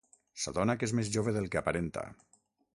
S'adona que és més jove del que aparenta.